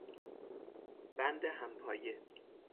بند همپایه